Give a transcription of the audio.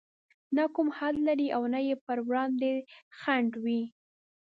نه کوم حد لري او نه يې پر وړاندې خنډ وي.